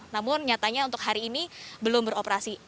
namun nyatanya untuk hari ini belum beroperasi